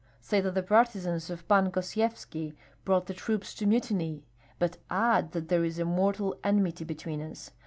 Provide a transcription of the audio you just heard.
Say that the partisans of Pan Gosyevski brought the troops to mutiny, but add that there is a mortal enmity between us.